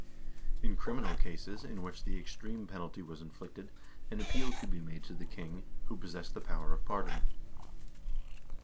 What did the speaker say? In criminal cases in which the extreme penalty was inflicted, an appeal could be made to the king, who possessed the power of pardon.